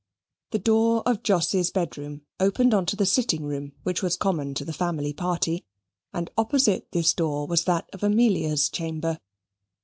The door of Jos's bedroom opened into the sitting room which was common to the family party, and opposite this door was that of Amelia's chamber.